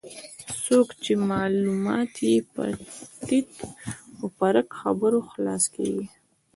څوک چې معلومات یې په تیت و پرک خبرونو خلاصه کېږي.